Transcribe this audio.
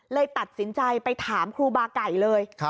เลยตัดสินใจไปถามครูบาไก่เลย